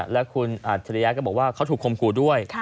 และคุณอัจฉริยะก็บอกว่าเขาถูกคมขู่ด้วย